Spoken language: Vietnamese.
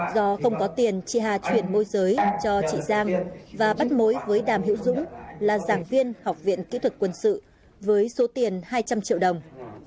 do không có tiền chị hà chuyển môi giới cho chị giang và bắt mối với đàm hữu dũng là giảng viên học viện kỹ thuật quân sự với số tiền hai trăm linh triệu đồng